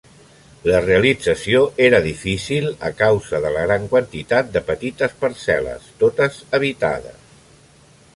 La realització era difícil, a causa de la gran quantitat de petites parcel·les, totes habitades.